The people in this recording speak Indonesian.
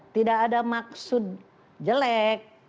tidak ada maksud jelek